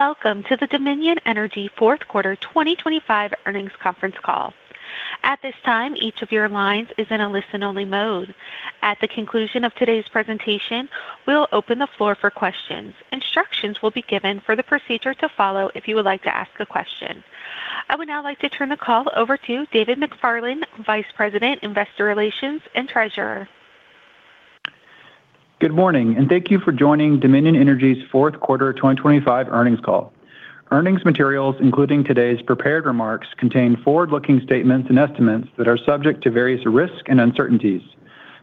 Welcome to the Dominion Energy Fourth Quarter 2025 Earnings Conference Call. At this time, each of your lines is in a listen-only mode. At the conclusion of today's presentation, we'll open the floor for questions. Instructions will be given for the procedure to follow if you would like to ask a question. I would now like to turn the call over to David McFarland, Vice President, Investor Relations and Treasurer. Good morning, and thank you for joining Dominion Energy's fourth quarter 2025 earnings call. Earnings materials, including today's prepared remarks, contain forward-looking statements and estimates that are subject to various risks and uncertainties.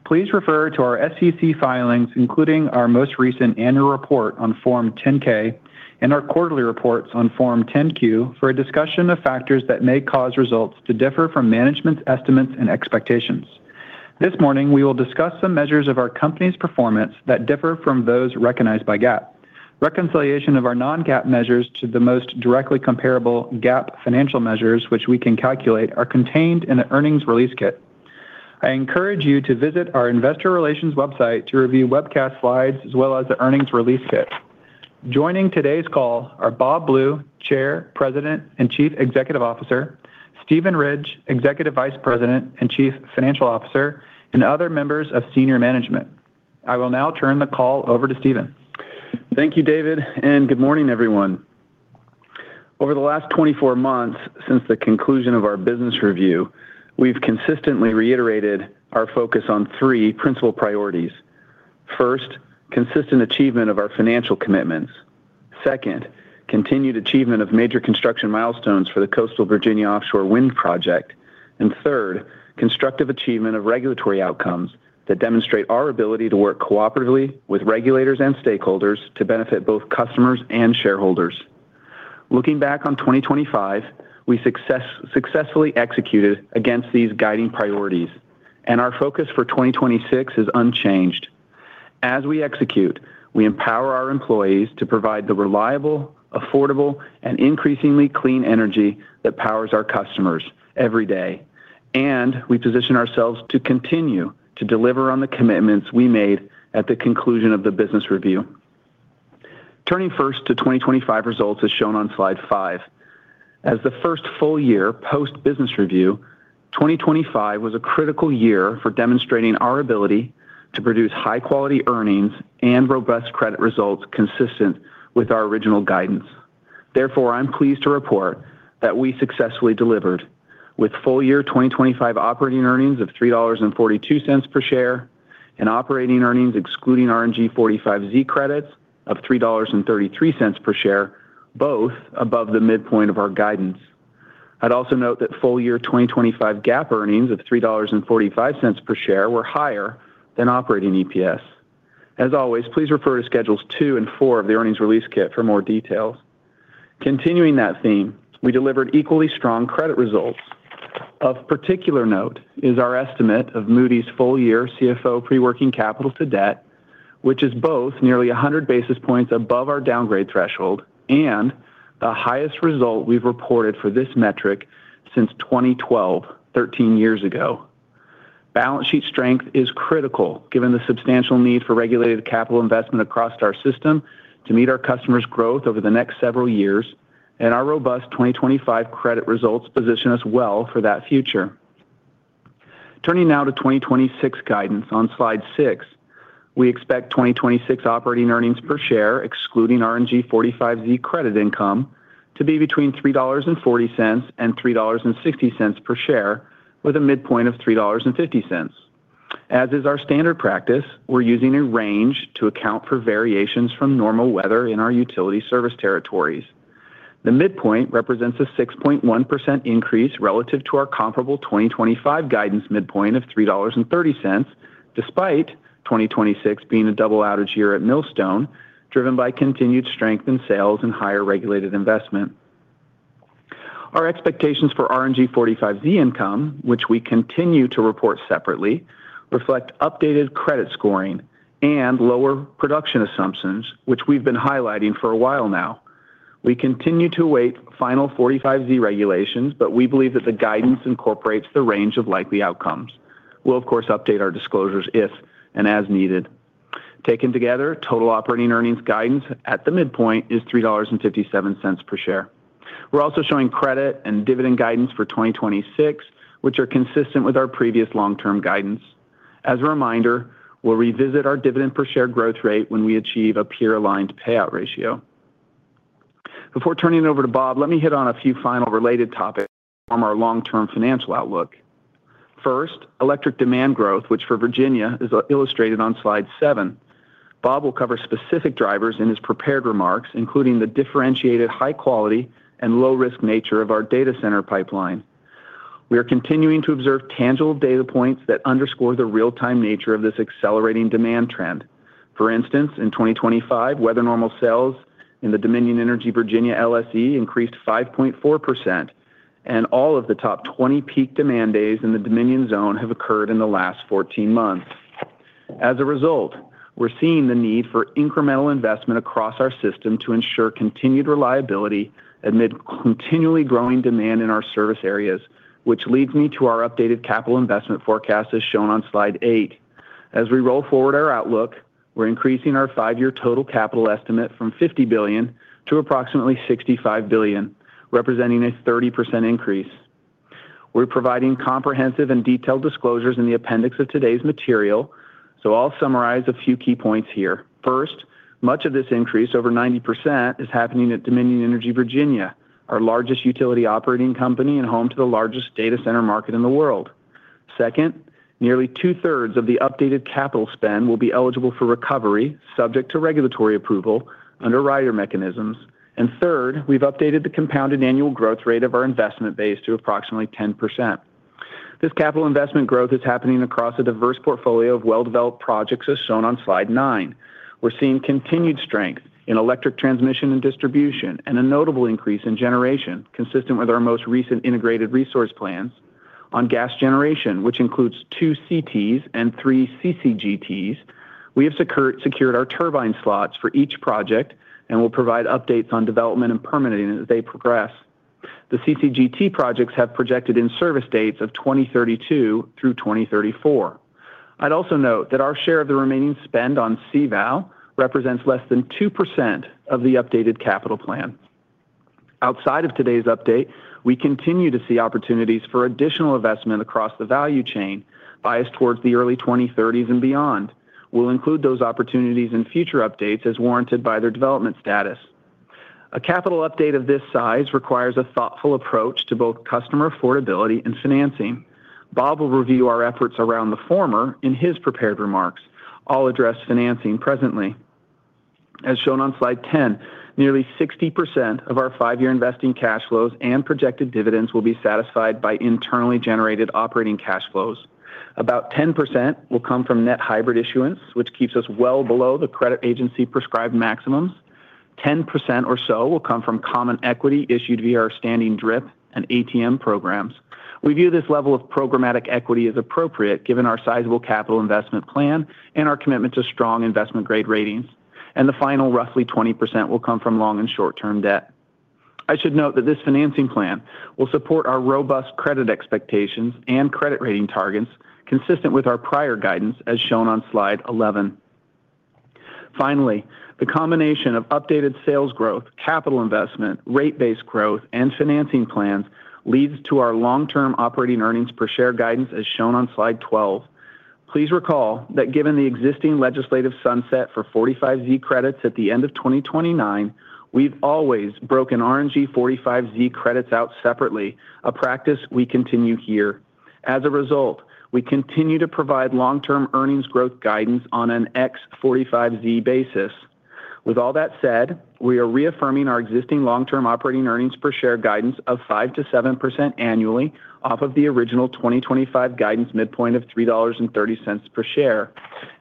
Please refer to our SEC filings, including our most recent annual report on Form 10-K and our quarterly reports on Form 10-Q, for a discussion of factors that may cause results to differ from management's estimates and expectations. This morning, we will discuss some measures of our company's performance that differ from those recognized by GAAP. Reconciliation of our non-GAAP measures to the most directly comparable GAAP financial measures, which we can calculate, are contained in the earnings release kit. I encourage you to visit our investor relations website to review webcast slides as well as the earnings release kit. Joining today's call are Bob Blue, Chair, President, and Chief Executive Officer, Steven Ridge, Executive Vice President and Chief Financial Officer. Other members of senior management. I will now turn the call over to Steven. Thank you, David, and good morning, everyone. Over the last 24 months, since the conclusion of our business review, we've consistently reiterated our focus on three principal priorities. First, consistent achievement of our financial commitments. Second, continued achievement of major construction milestones for the Coastal Virginia Offshore Wind project. Third, constructive achievement of regulatory outcomes that demonstrate our ability to work cooperatively with regulators and stakeholders to benefit both customers and shareholders. Looking back on 2025, we successfully executed against these guiding priorities. Our focus for 2026 is unchanged. As we execute, we empower our employees to provide the reliable, affordable, and increasingly clean energy that powers our customers every day. We position ourselves to continue to deliver on the commitments we made at the conclusion of the business review. Turning first to 2025 results, as shown on slide 5. As the first full year post-business review, 2025 was a critical year for demonstrating our ability to produce high-quality earnings and robust credit results consistent with our original guidance. Therefore, I'm pleased to report that we successfully delivered with full year 2025 operating earnings of $3.42 per share and operating earnings, excluding RNG 45Z credits of $3.33 per share, both above the midpoint of our guidance. I'd also note that full year 2025 GAAP earnings of $3.45 per share were higher than operating EPS. As always, please refer to Schedules 2 and 4 of the earnings release kit for more details. Continuing that theme, we delivered equally strong credit results. Of particular note is our estimate of Moody's full-year CFO pre-working capital to debt, which is both nearly 100 basis points above our downgrade threshold and the highest result we've reported for this metric since 2012, 13 years ago. Balance sheet strength is critical, given the substantial need for regulated capital investment across our system to meet our customers' growth over the next several years. Our robust 2025 credit results position us well for that future. Turning now to 2026 guidance on Slide 6, we expect 2026 operating earnings per share, excluding RNG 45Z credit income, to be between $3.40 and $3.60 per share, with a midpoint of $3.50. As is our standard practice, we're using a range to account for variations from normal weather in our utility service territories. The midpoint represents a 6.1% increase relative to our comparable 2025 guidance midpoint of $3.30, despite 2026 being a double outage year at Millstone, driven by continued strength in sales and higher regulated investment. Our expectations for RNG 45Z income, which we continue to report separately, reflect updated credit scoring and lower production assumptions, which we've been highlighting for a while now. We continue to await final 45Z regulations. We believe that the guidance incorporates the range of likely outcomes. We'll of course, update our disclosures if and as needed. Taken together, total operating earnings guidance at the midpoint is $3.57 per share. We're also showing credit and dividend guidance for 2026, which are consistent with our previous long-term guidance. As a reminder, we'll revisit our dividend per share growth rate when we achieve a peer-aligned payout ratio. Before turning it over to Bob, let me hit on a few final related topics from our long-term financial outlook. First, electric demand growth, which for Virginia is illustrated on Slide 7. Bob will cover specific drivers in his prepared remarks, including the differentiated high quality and low-risk nature of our data center pipeline. We are continuing to observe tangible data points that underscore the real-time nature of this accelerating demand trend. For instance, in 2025, weather normal sales in the Dominion Energy Virginia LSE increased 5.4%, and all of the top 20 peak demand days in the Dominion zone have occurred in the last 14 months. As a result, we're seeing the need for incremental investment across our system to ensure continued reliability amid continually growing demand in our service areas, which leads me to our updated capital investment forecast, as shown on Slide 8. We're increasing our 5-year total capital estimate from $50 billion to approximately $65 billion, representing a 30% increase. We're providing comprehensive and detailed disclosures in the appendix of today's material. I'll summarize a few key points here. First, much of this increase, over 90%, is happening at Dominion Energy Virginia, our largest utility operating company and home to the largest data center market in the world. Second, nearly 2/3 of the updated capital spend will be eligible for recovery, subject to regulatory approval under rider mechanisms. Third, we've updated the compounded annual growth rate of our investment base to approximately 10%. This capital investment growth is happening across a diverse portfolio of well-developed projects, as shown on slide 9. We're seeing continued strength in electric transmission and distribution, and a notable increase in generation, consistent with our most recent integrated resource plans on gas generation, which includes two CTs and three CCGTs. We have secured our turbine slots for each project and will provide updates on development and permitting as they progress. The CCGT projects have projected in-service dates of 2032 through 2034. I'd also note that our share of the remaining spend on CVOW represents less than 2% of the updated capital plan. Outside of today's update, we continue to see opportunities for additional investment across the value chain, biased towards the early 2030s and beyond. We'll include those opportunities in future updates as warranted by their development status. A capital update of this size requires a thoughtful approach to both customer affordability and financing. Bob will review our efforts around the former in his prepared remarks. I'll address financing presently. As shown on slide 10, nearly 60% of our 5-year investing cash flows and projected dividends will be satisfied by internally generated operating cash flows. About 10% will come from net hybrid issuance, which keeps us well below the credit agency prescribed maximums. 10% or so will come from common equity issued via our standing DRIP and ATM programs. We view this level of programmatic equity as appropriate, given our sizable capital investment plan and our commitment to strong investment-grade ratings. The final, roughly 20%, will come from long and short-term debt. I should note that this financing plan will support our robust credit expectations and credit rating targets, consistent with our prior guidance, as shown on slide 11. The combination of updated sales growth, capital investment, rate-based growth, and financing plans leads to our long-term operating earnings per share guidance, as shown on slide 12. Please recall that given the existing legislative sunset for 45Z credits at the end of 2029, we've always broken RNG 45Z credits out separately, a practice we continue here. We continue to provide long-term earnings growth guidance on an ex-45Z basis. We are reaffirming our existing long-term operating earnings per share guidance of 5%-7% annually off of the original 2025 guidance midpoint of $3.30 per share.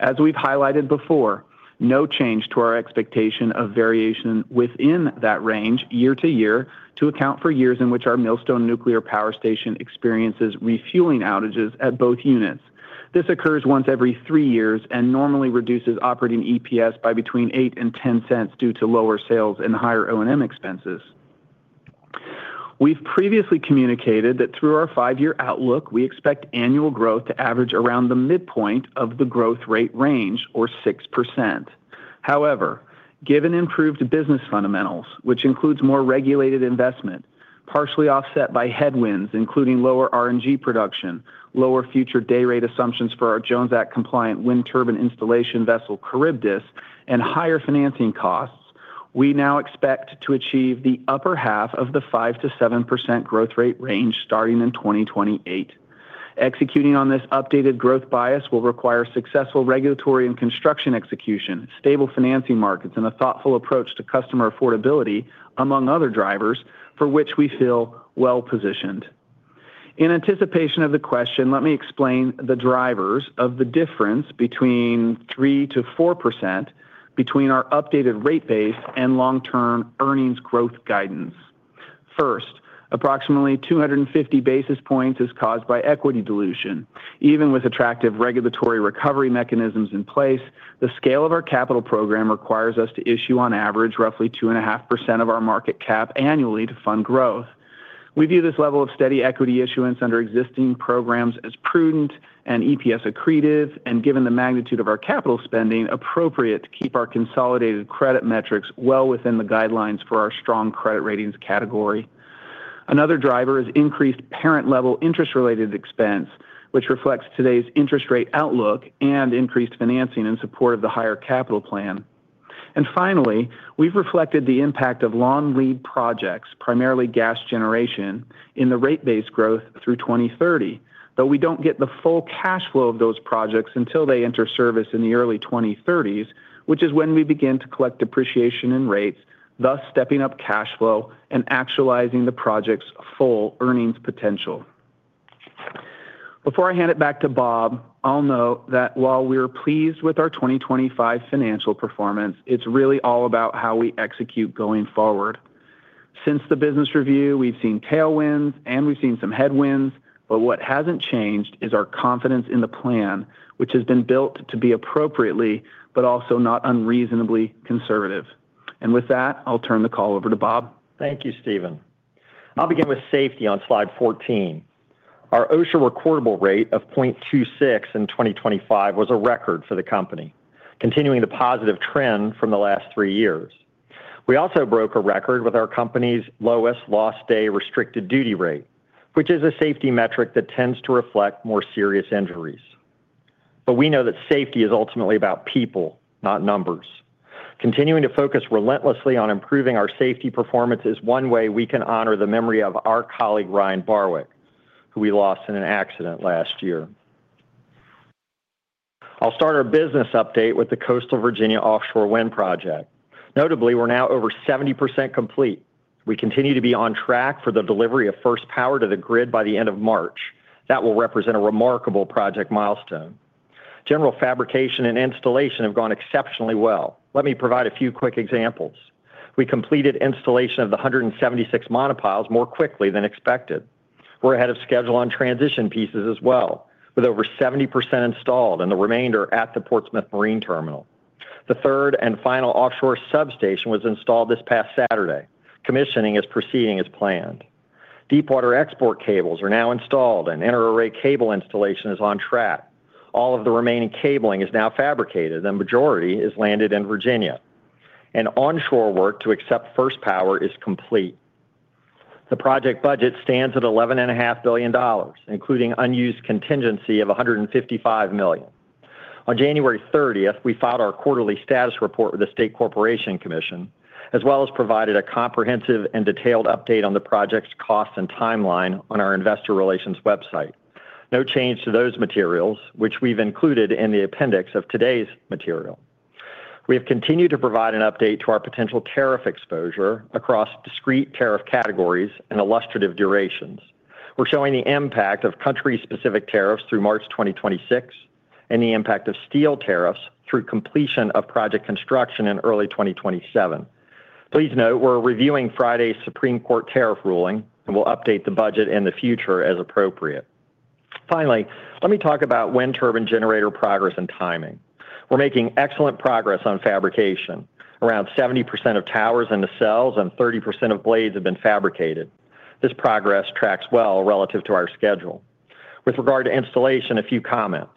As we've highlighted before, no change to our expectation of variation within that range year to year to account for years in which our Millstone Nuclear Power Station experiences refueling outages at both units. This occurs once every 3 years and normally reduces operating EPS by between $0.08-$0.10 due to lower sales and higher O&M expenses. We've previously communicated that through our 5-year outlook, we expect annual growth to average around the midpoint of the growth rate range, or 6%. However, given improved business fundamentals, which includes more regulated investment, partially offset by headwinds, including lower RNG production, lower future day rate assumptions for our Jones Act-compliant wind turbine installation vessel, Charybdis, and higher financing costs, we now expect to achieve the upper half of the 5%-7% growth rate range starting in 2028. Executing on this updated growth bias will require successful regulatory and construction execution, stable financing markets, and a thoughtful approach to customer affordability, among other drivers, for which we feel well positioned. In anticipation of the question, let me explain the drivers of the difference between 3%-4% between our updated rate base and long-term earnings growth guidance. First, approximately 250 basis points is caused by equity dilution. Even with attractive regulatory recovery mechanisms in place, the scale of our capital program requires us to issue, on average, roughly 2.5% of our market cap annually to fund growth. We view this level of steady equity issuance under existing programs as prudent and EPS accretive, and given the magnitude of our capital spending, appropriate to keep our consolidated credit metrics well within the guidelines for our strong credit ratings category. Another driver is increased parent-level interest-related expense, which reflects today's interest rate outlook and increased financing in support of the higher capital plan. Finally, we've reflected the impact of long lead projects, primarily gas generation, in the rate base growth through 2030, though we don't get the full cash flow of those projects until they enter service in the early 2030s, which is when we begin to collect depreciation and rates, thus stepping up cash flow and actualizing the project's full earnings potential. Before I hand it back to Bob, I'll note that while we're pleased with our 2025 financial performance, it's really all about how we execute going forward. Since the business review, we've seen tailwinds and we've seen some headwinds, but what hasn't changed is our confidence in the plan, which has been built to be appropriately, but also not unreasonably conservative. With that, I'll turn the call over to Bob. Thank you, Steven. I'll begin with safety on slide 14. Our OSHA recordable rate of 0.26 in 2025 was a record for the company, continuing the positive trend from the last three years. We also broke a record with our company's lowest Lost Day/Restricted Duty Rate, which is a safety metric that tends to reflect more serious injuries. We know that safety is ultimately about people, not numbers. Continuing to focus relentlessly on improving our safety performance is one way we can honor the memory of our colleague, Ryan Barwick, who we lost in an accident last year. I'll start our business update with the Coastal Virginia Offshore Wind project. Notably, we're now over 70% complete. We continue to be on track for the delivery of first power to the grid by the end of March. That will represent a remarkable project milestone. General fabrication and installation have gone exceptionally well. Let me provide a few quick examples. We completed installation of the 176 monopiles more quickly than expected. We're ahead of schedule on transition pieces as well, with over 70% installed and the remainder at the Portsmouth Marine Terminal. The third and final offshore substation was installed this past Saturday. Commissioning is proceeding as planned. Deep water export cables are now installed, and inter-array cable installation is on track. All of the remaining cabling is now fabricated, and majority is landed in Virginia. Onshore work to accept first power is complete. The project budget stands at $11.5 billion, including unused contingency of $155 million. On January 30th, we filed our quarterly status report with the State Corporation Commission, as well as provided a comprehensive and detailed update on the project's cost and timeline on our investor relations website. No change to those materials, which we've included in the appendix of today's material. We have continued to provide an update to our potential tariff exposure across discrete tariff categories and illustrative durations. We're showing the impact of country-specific tariffs through March 2026 and the impact of steel tariffs through completion of project construction in early 2027. Please note, we're reviewing Friday's Supreme Court tariff ruling, and we'll update the budget in the future as appropriate. Finally, let me talk about wind turbine generator progress and timing. We're making excellent progress on fabrication. Around 70% of towers in the cells and 30% of blades have been fabricated. This progress tracks well relative to our schedule. With regard to installation, a few comments.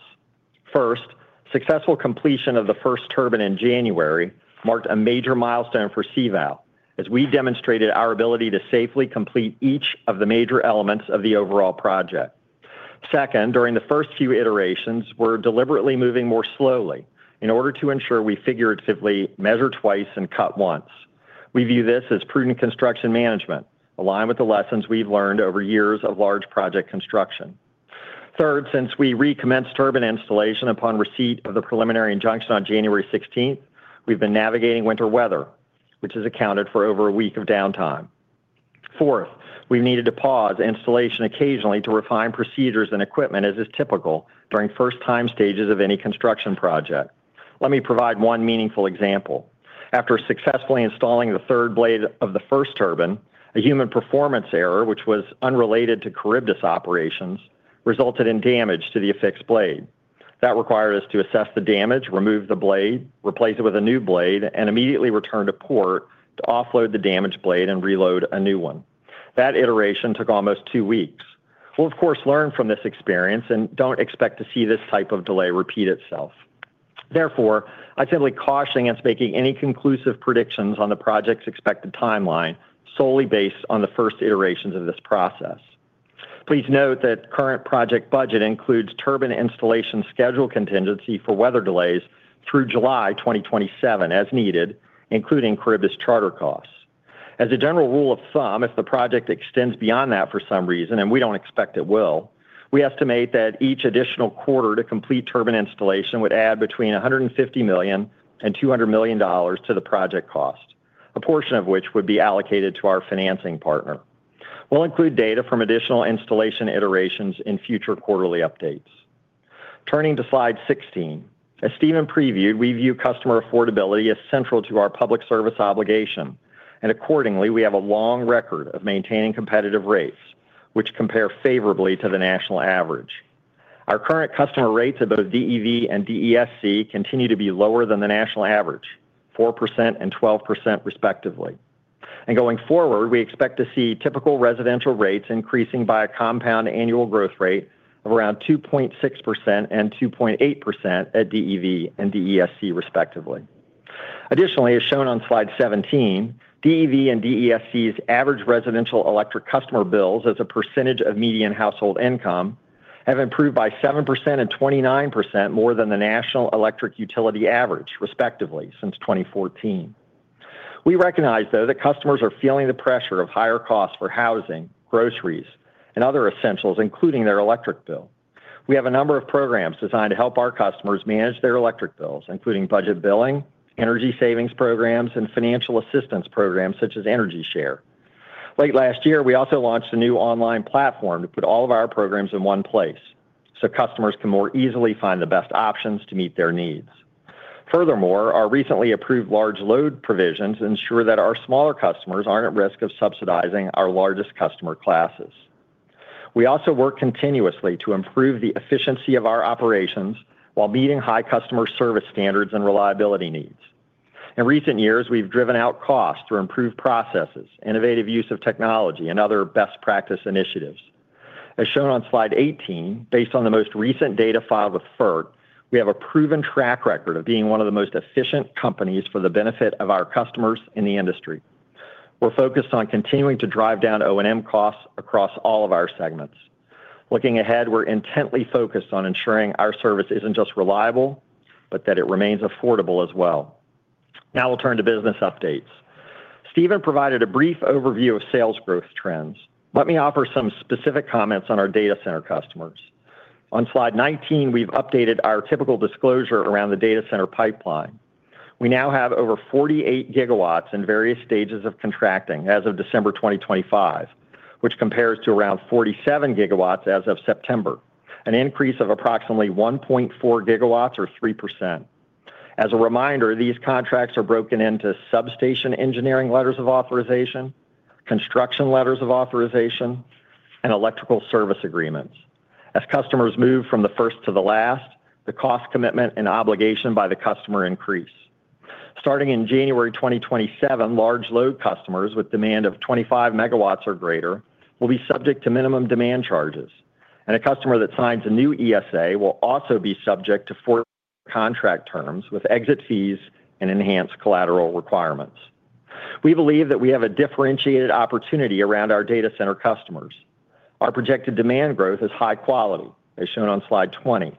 First, successful completion of the first turbine in January marked a major milestone for CVOW, as we demonstrated our ability to safely complete each of the major elements of the overall project. Second, during the first few iterations, we're deliberately moving more slowly in order to ensure we figuratively measure twice and cut once. We view this as prudent construction management, aligned with the lessons we've learned over years of large project construction. Third, since we recommenced turbine installation upon receipt of the preliminary injunction on January 16th, we've been navigating winter weather, which has accounted for over 1 week of downtime. Fourth, we've needed to pause installation occasionally to refine procedures and equipment, as is typical during first-time stages of any construction project. Let me provide one meaningful example. After successfully installing the third blade of the first turbine, a human performance error, which was unrelated to Charybdis operations, resulted in damage to the affixed blade. That required us to assess the damage, remove the blade, replace it with a new blade, and immediately return to port to offload the damaged blade and reload a new one. That iteration took almost two weeks. We'll, of course, learn from this experience and don't expect to see this type of delay repeat itself. Therefore, I'd simply caution against making any conclusive predictions on the project's expected timeline solely based on the first iterations of this process. Please note that current project budget includes turbine installation schedule contingency for weather delays through July 2027, as needed, including Charybdis charter costs. As a general rule of thumb, if the project extends beyond that for some reason, and we don't expect it will, we estimate that each additional quarter to complete turbine installation would add between $150 million and $200 million to the project cost, a portion of which would be allocated to our financing partner. We'll include data from additional installation iterations in future quarterly updates. Turning to slide 16. As Steven previewed, we view customer affordability as central to our public service obligation, and accordingly, we have a long record of maintaining competitive rates, which compare favorably to the national average. Our current customer rates at both DEV and DESC continue to be lower than the national average, 4% and 12%, respectively. Going forward, we expect to see typical residential rates increasing by a compound annual growth rate of around 2.6% and 2.8% at DEV and DESC, respectively. Additionally, as shown on slide 17, DEV and DESC's average residential electric customer bills as a percentage of median household income have improved by 7% and 29% more than the national electric utility average, respectively, since 2014. We recognize, though, that customers are feeling the pressure of higher costs for housing, groceries, and other essentials, including their electric bill. We have a number of programs designed to help our customers manage their electric bills, including budget billing, energy savings programs, and financial assistance programs such as EnergyShare. Late last year, we also launched a new online platform to put all of our programs in one place so customers can more easily find the best options to meet their needs. Furthermore, our recently approved large load provisions ensure that our smaller customers aren't at risk of subsidizing our largest customer classes. We also work continuously to improve the efficiency of our operations while meeting high customer service standards and reliability needs. In recent years, we've driven out costs through improved processes, innovative use of technology, and other best practice initiatives. As shown on slide 18, based on the most recent data filed with FERC, we have a proven track record of being one of the most efficient companies for the benefit of our customers in the industry. We're focused on continuing to drive down O&M costs across all of our segments. Looking ahead, we're intently focused on ensuring our service isn't just reliable, but that it remains affordable as well. We'll turn to business updates. Steven provided a brief overview of sales growth trends. Let me offer some specific comments on our data center customers. On slide 19, we've updated our typical disclosure around the data center pipeline. We now have over 48 GW in various stages of contracting as of December 2025, which compares to around 47 GW as of September, an increase of approximately 1.4 GW or 3%. As a reminder, these contracts are broken into Substation Engineering Letters of Authorization, Construction Letters of Authorization, and Electrical Service Agreements. As customers move from the first to the last, the cost commitment and obligation by the customer increase. Starting in January 2027, large load customers with demand of 25 MW or greater will be subject to minimum demand charges. A customer that signs a new ESA will also be subject to four contract terms with exit fees and enhanced collateral requirements. We believe that we have a differentiated opportunity around our data center customers. Our projected demand growth is high quality, as shown on slide 20,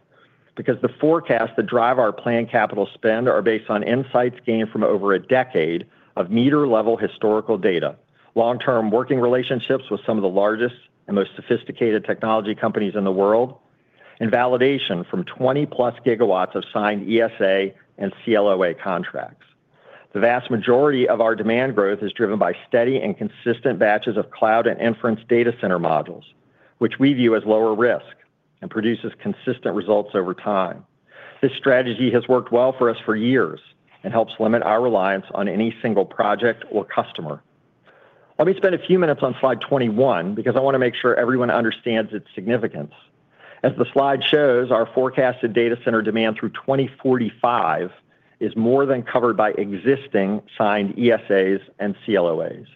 because the forecasts that drive our planned capital spend are based on insights gained from over a decade of meter-level historical data, long-term working relationships with some of the largest and most sophisticated technology companies in the world, and validation from 20+ GW of signed ESA and CLOA contracts. The vast majority of our demand growth is driven by steady and consistent batches of cloud and inference data center modules, which we view as lower risk and produces consistent results over time. This strategy has worked well for us for years and helps limit our reliance on any single project or customer. Let me spend a few minutes on slide 21, because I want to make sure everyone understands its significance. As the slide shows, our forecasted data center demand through 2045 is more than covered by existing signed ESAs and CLOAs.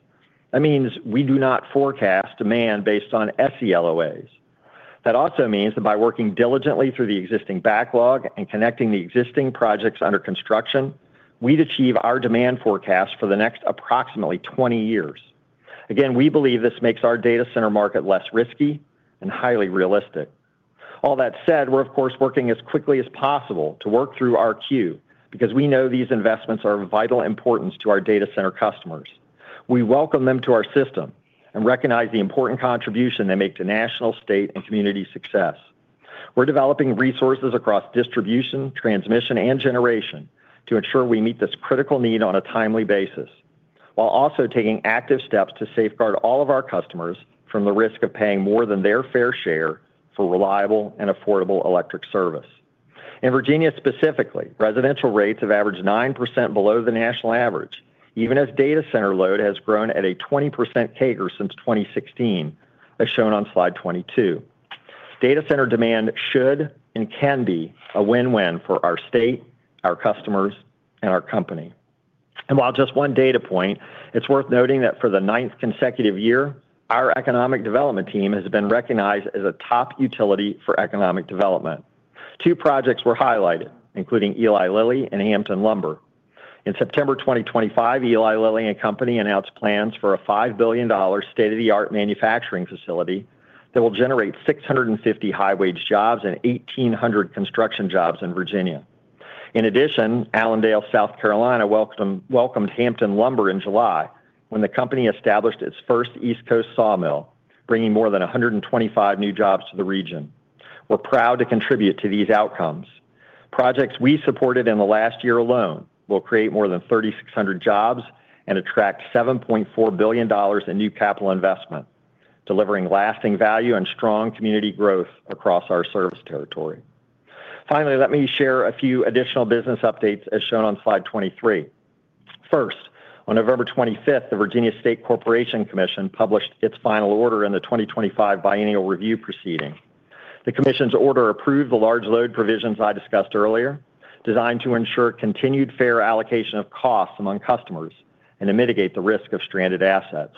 That means we do not forecast demand based on SELOA. That also means that by working diligently through the existing backlog and connecting the existing projects under construction, we'd achieve our demand forecast for the next approximately 20 years. Again, we believe this makes our data center market less risky and highly realistic. All that said, we're of course, working as quickly as possible to work through our queue because we know these investments are of vital importance to our data center customers. We welcome them to our system and recognize the important contribution they make to national, state, and community success. We're developing resources across distribution, transmission, and generation to ensure we meet this critical need on a timely basis, while also taking active steps to safeguard all of our customers from the risk of paying more than their fair share for reliable and affordable electric service. In Virginia, specifically, residential rates have averaged 9% below the national average, even as data center load has grown at a 20% CAGR since 2016, as shown on slide 22. Data center demand should and can be a win-win for our state, our customers, and our company. While just one data point, it's worth noting that for the ninth consecutive year, our economic development team has been recognized as a top utility for economic development. Two projects were highlighted, including Eli Lilly and Hampton Lumber. In September 2025, Eli Lilly and Company announced plans for a $5 billion state-of-the-art manufacturing facility that will generate 650 high-wage jobs and 1,800 construction jobs in Virginia. In addition, Allendale, South Carolina, welcomed Hampton Lumber in July when the company established its first East Coast sawmill, bringing more than 125 new jobs to the region. We're proud to contribute to these outcomes. Projects we supported in the last year alone will create more than 3,600 jobs and attract $7.4 billion in new capital investment, delivering lasting value and strong community growth across our service territory. Finally, let me share a few additional business updates as shown on slide 23. First, on November 25th, the Virginia State Corporation Commission published its final order in the 2025 biennial review proceeding. The commission's order approved the large load provisions I discussed earlier, designed to ensure continued fair allocation of costs among customers and to mitigate the risk of stranded assets.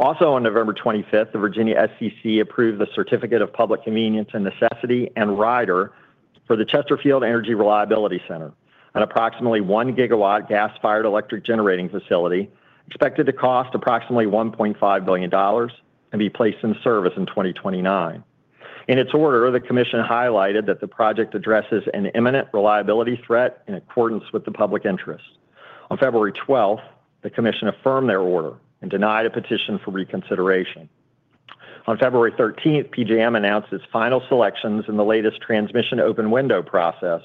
On November 25th, the Virginia SEC approved the Certificate of Public Convenience and Necessity and Rider for the Chesterfield Energy Reliability Center, an approximately 1 GW gas-fired electric generating facility expected to cost approximately $1.5 billion and be placed in service in 2029. In its order, the commission highlighted that the project addresses an imminent reliability threat in accordance with the public interest. On February 12th, the commission affirmed their order and denied a petition for reconsideration. On February 13th, PJM announced its final selections in the latest transmission open window process,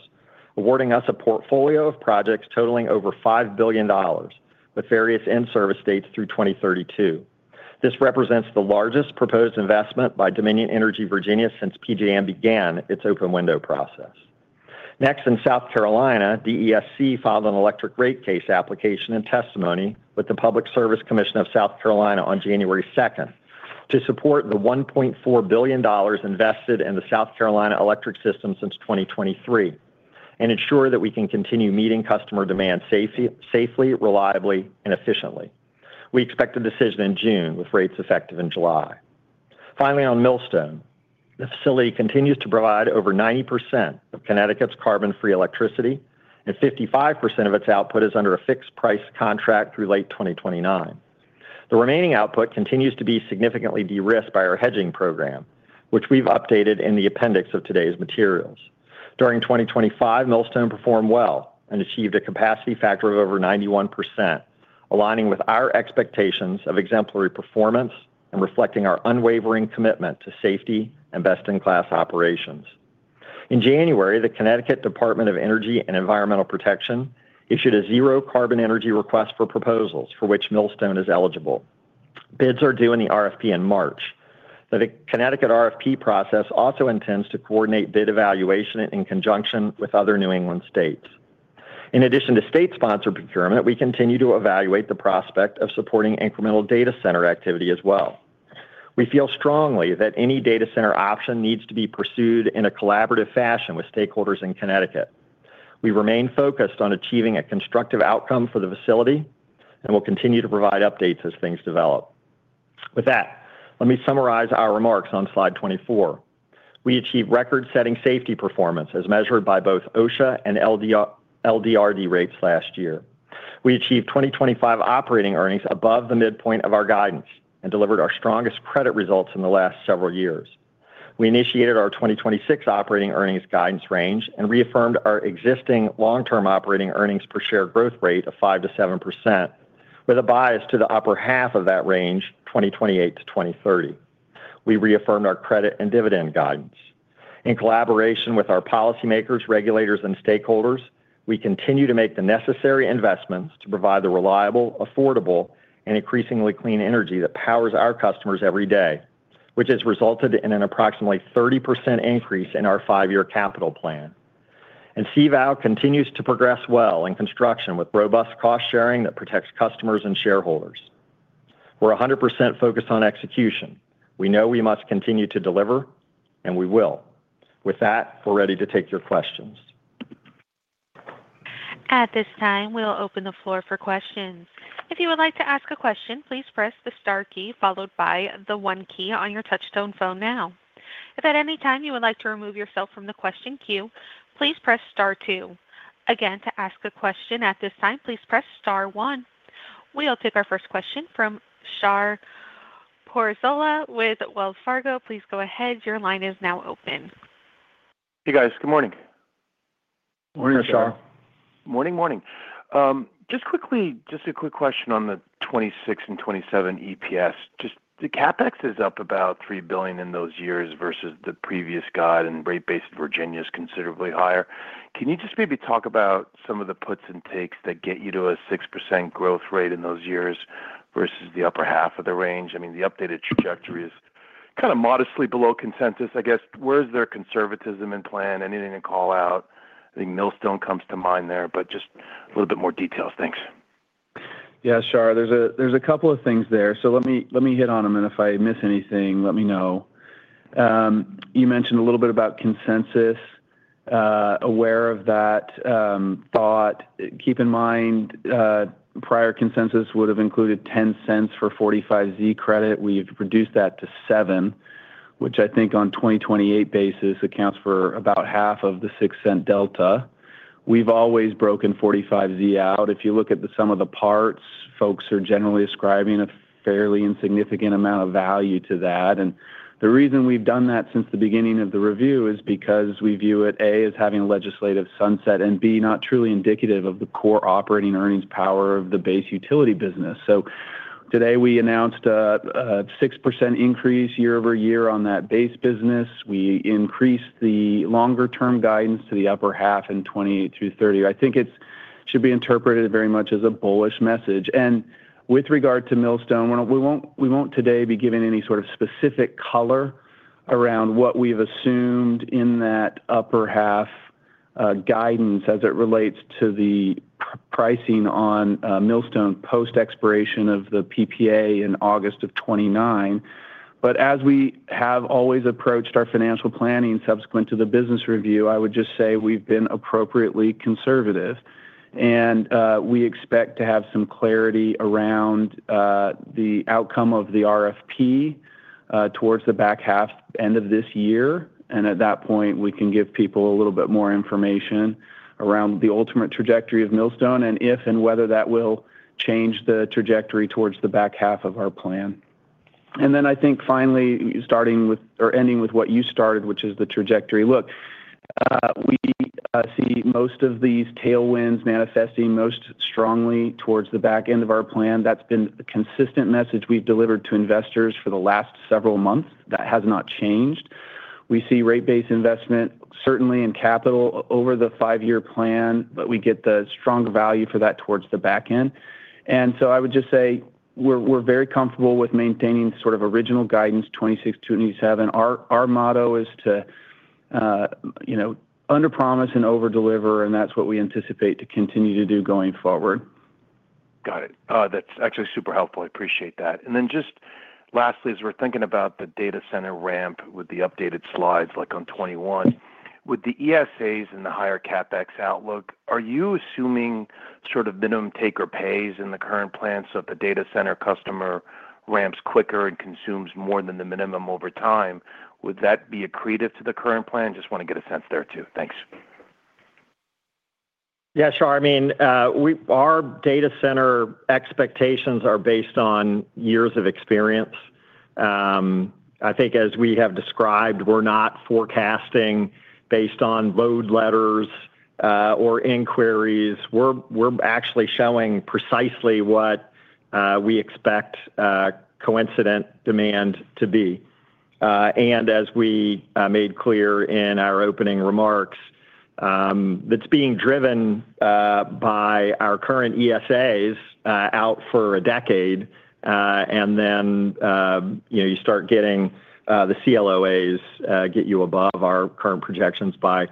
awarding us a portfolio of projects totaling over $5 billion with various in-service dates through 2032. This represents the largest proposed investment by Dominion Energy Virginia since PJM began its open window process. Next, in South Carolina, DESC filed an electric rate case application and testimony with the Public Service Commission of South Carolina on January 2nd to support the $1.4 billion invested in the South Carolina Electric system since 2023, ensure that we can continue meeting customer demand safely, reliably and efficiently. We expect a decision in June, with rates effective in July. On Millstone, the facility continues to provide over 90% of Connecticut's carbon-free electricity, and 55% of its output is under a fixed-price contract through late 2029. The remaining output continues to be significantly de-risked by our hedging program, which we've updated in the appendix of today's materials. During 2025, Millstone performed well and achieved a capacity factor of over 91%, aligning with our expectations of exemplary performance and reflecting our unwavering commitment to safety and best-in-class operations. In January, the Connecticut Department of Energy and Environmental Protection issued a zero-carbon energy request for proposals for which Millstone is eligible. Bids are due in the RFP in March. The Connecticut RFP process also intends to coordinate bid evaluation in conjunction with other New England states. In addition to state-sponsored procurement, we continue to evaluate the prospect of supporting incremental data center activity as well. We feel strongly that any data center option needs to be pursued in a collaborative fashion with stakeholders in Connecticut. We remain focused on achieving a constructive outcome for the facility and will continue to provide updates as things develop. With that, let me summarize our remarks on slide 24. We achieved record-setting safety performance as measured by both OSHA and LDR, LDRD rates last year. We achieved 2025 operating earnings above the midpoint of our guidance and delivered our strongest credit results in the last several years. We initiated our 2026 operating earnings guidance range and reaffirmed our existing long-term operating earnings per share growth rate of 5%-7%, with a bias to the upper half of that range, 2028-2030. We reaffirmed our credit and dividend guidance. In collaboration with our policymakers, regulators, and stakeholders, we continue to make the necessary investments to provide the reliable, affordable, and increasingly clean energy that powers our customers every day, which has resulted in an approximately 30% increase in our 5-year capital plan. CVOW continues to progress well in construction with robust cost sharing that protects customers and shareholders. We're 100% focused on execution. We know we must continue to deliver, and we will. With that, we're ready to take your questions. At this time, we'll open the floor for questions. If you would like to ask a question, please press the star key followed by the one key on your touchtone phone now. If at any time you would like to remove yourself from the question queue, please press star two. Again, to ask a question at this time, please press star one. We'll take our first question from Shahriah Pourreza with Wells Fargo. Please go ahead. Your line is now open. Hey, guys. Good morning. Morning, Shar. Morning, morning. Just quickly, just a quick question on the 26 and 27 EPS. Just the CapEx is up about $3 billion in those years versus the previous guide, and rate base Virginia is considerably higher. Can you just maybe talk about some of the puts and takes that get you to a 6% growth rate in those years versus the upper half of the range? I mean, the updated trajectory is kind of modestly below consensus. I guess, where is there conservatism in plan? Anything to call out? I think Millstone comes to mind there, but just a little bit more details. Thanks. Yeah, Shar, there's a couple of things there. Let me, let me hit on them, and if I miss anything, let me know. You mentioned a little bit about consensus, aware of that thought. Keep in mind, prior consensus would have included $0.10 for Section 45Z credit. We've reduced that to $0.07, which I think on 2028 basis accounts for about half of the $0.06 delta. We've always broken Section 45Z out. If you look at the sum of the parts, folks are generally ascribing a fairly insignificant amount of value to that. The reason we've done that since the beginning of the review is because we view it, A, as having a legislative sunset, and B, not truly indicative of the core operating earnings power of the base utility business. Today we announced a 6% increase year-over-year on that base business. We increased the longer-term guidance to the upper half in 20-30. I think it's should be interpreted very much as a bullish message. With regard to Millstone, we won't, we won't today be giving any sort of specific color around what we've assumed in that upper half guidance as it relates to the pricing on Millstone post-expiration of the PPA in August of 2029. As we have always approached our financial planning subsequent to the business review, I would just say we've been appropriately conservative, and we expect to have some clarity around the outcome of the RFP towards the back half end of this year. At that point, we can give people a little bit more information around the ultimate trajectory of Millstone and if and whether that will change the trajectory towards the back half of our plan. Then I think finally, starting with or ending with what you started, which is the trajectory. Look, we see most of these tailwinds manifesting most strongly towards the back end of our plan. That's been a consistent message we've delivered to investors for the last several months. That has not changed. We see rate-based investment, certainly in capital over the five-year plan, but we get the strong value for that towards the back end....So I would just say we're, we're very comfortable with maintaining sort of original guidance, 2026, 2027. Our, our motto is to, you know, underpromise and overdeliver. That's what we anticipate to continue to do going forward. Got it. That's actually super helpful. I appreciate that. Then just lastly, as we're thinking about the data center ramp with the updated slides, like on 21, with the ESAs and the higher CapEx outlook, are you assuming sort of minimum taker pays in the current plan so that the data center customer ramps quicker and consumes more than the minimum over time? Would that be accretive to the current plan? Just want to get a sense there, too. Thanks. Yeah, sure. I mean, our data center expectations are based on years of experience. I think as we have described, we're not forecasting based on load letters or inquiries. We're, we're actually showing precisely what we expect a coincident demand to be. As we made clear in our opening remarks, that's being driven by our current ESAs out for a decade, and then, you know, you start getting the CLOAs get you above our current projections by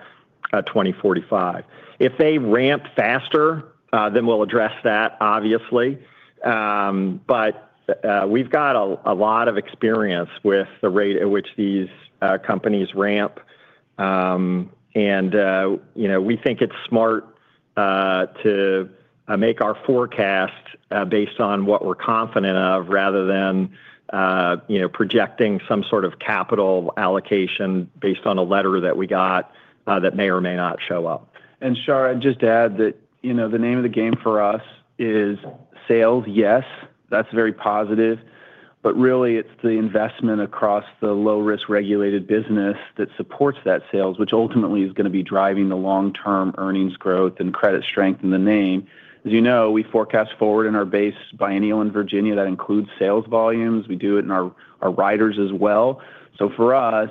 2045. If they ramp faster, then we'll address that, obviously. We've got a lot of experience with the rate at which these companies ramp. you know, we think it's smart, to make our forecast, based on what we're confident of, rather than, you know, projecting some sort of capital allocation based on a letter that we got, that may or may not show up. Shar, I'd just add that, you know, the name of the game for us is sales. Yes, that's very positive, but really, it's the investment across the low-risk regulated business that supports that sales, which ultimately is gonna be driving the long-term earnings growth and credit strength in the name. As you know, we forecast forward in our base biennial in Virginia. That includes sales volumes. We do it in our, our riders as well. For us,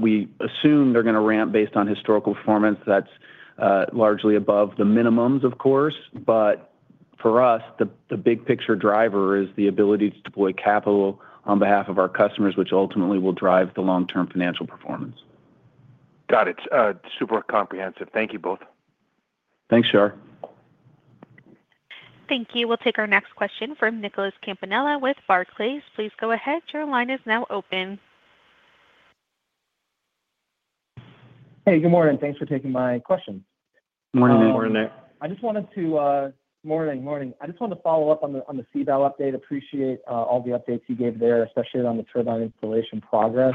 we assume they're gonna ramp based on historical performance. That's largely above the minimums, of course, but for us, the big picture driver is the ability to deploy capital on behalf of our customers, which ultimately will drive the long-term financial performance. Got it. Super comprehensive. Thank you both. Thanks, Shar. Thank you. We'll take our next question from Nicholas Campanella with Barclays. Please go ahead. Your line is now open. Hey, good morning. Thanks for taking my question. Good morning, Nick. Good morning, Nick. Morning, morning. I just wanted to follow up on the, on the CVOW update. Appreciate all the updates you gave there, especially on the turbine installation progress.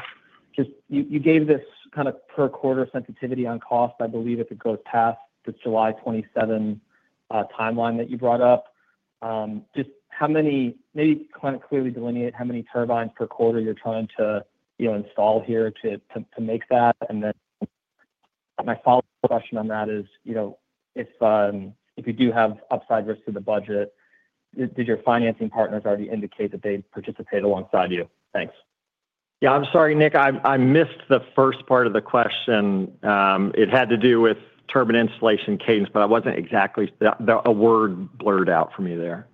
Just, you gave this kind of per-quarter sensitivity on cost, I believe, if it goes past the July 27 timeline that you brought up. Just maybe kind of clearly delineate how many turbines per quarter you're trying to, you know, install here to make that? My follow-up question on that is, you know, if, if you do have upside risk to the budget, did your financing partners already indicate that they'd participate alongside you? Thanks. Yeah. I'm sorry, Nick, I, I missed the first part of the question. It had to do with turbine installation cadence, but I wasn't exactly... The, a word blurred out for me there.